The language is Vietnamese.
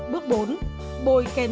bước bốn bôi óc